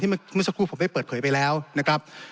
เมื่อสักครู่ผมได้เปิดเผยไปแล้วนะครับ